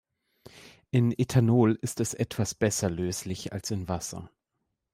In Ethanol ist es etwas besser löslich als in Wasser.